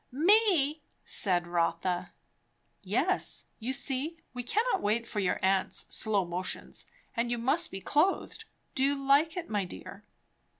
"Me?" said Rotha. "Yes. You see, we cannot wait for your aunt's slow motions, and you must be clothed. Do you like it, my dear?"